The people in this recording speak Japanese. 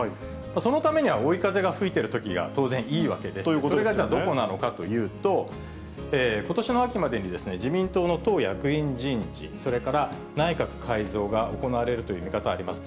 そのためには追い風が吹いてるときが当然いいわけですが、それがどこなのかというと、ことしの秋までに自民党の党役員人事、それから内閣改造が行われるという見方あります。